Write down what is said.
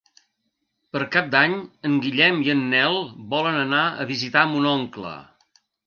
Per Cap d'Any en Guillem i en Nel volen anar a visitar mon oncle.